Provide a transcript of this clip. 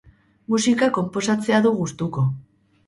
Musika konposatzea du gustuko.